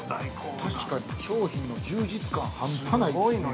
◆確かに、商品の充実感半端ないですね。